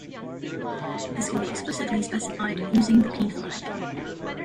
This can be explicitly specified using the -P flag.